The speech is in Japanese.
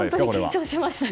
緊張しました。